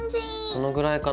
このぐらいかな？